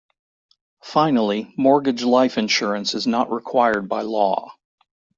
Finally, mortgage life insurance is not required by law.